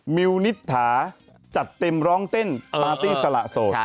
มิวนิษฐาจัดเต็มร้องเต้นปาร์ตี้สละโสด